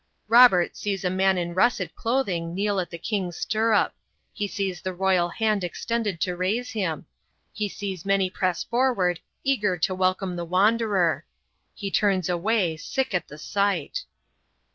Robert sees a man in russet clothing kneel at the king's stirrup; he sees the royal hand extended to raise him; he sees many press forward eager to welcome the wanderer. He turns away, sick at the sight.